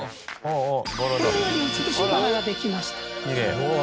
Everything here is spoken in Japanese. このように美しいバラができました。